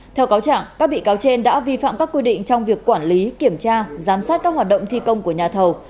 theo cáo trạng các bị cáo trên đã vi phạm các quy định trong việc quản lý kiểm tra giám sát các hoạt động thi công của nhà thầu